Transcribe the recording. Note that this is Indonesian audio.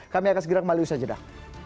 kami akan segera kembali usha jeddah